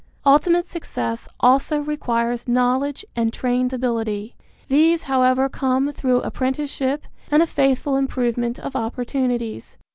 Ultimate success also requires knowledge and trained ability. These, however, come through apprenticeship and a faithful improvement of opportunities.